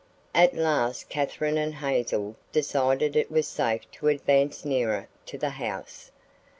At last Katherine and Hazel decided that it was safe to advance nearer to the house.